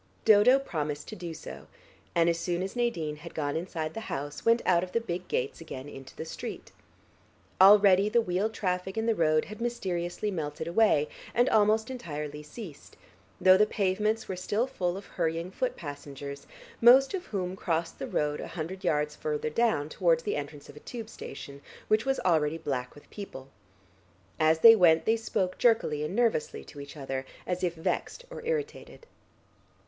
Dodo promised to do so, and as soon as Nadine had gone inside the house, went out of the big gates again into the street. Already the wheeled traffic in the road had mysteriously melted away, and almost entirely ceased, though the pavements were still full of hurrying foot passengers, most of whom crossed the road a hundred yards further down towards the entrance of a tube station which was already black with people. As they went they spoke jerkily and nervously to each other, as if vexed or irritated.